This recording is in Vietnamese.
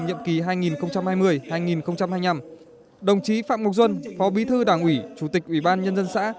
nhiệm kỳ hai nghìn hai mươi hai nghìn hai mươi năm đồng chí phạm ngọc duân phó bí thư đảng ủy chủ tịch ủy ban nhân dân xã